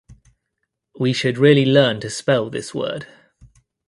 We should really learn to spell this word.